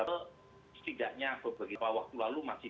atau setidaknya beberapa waktu lalu masih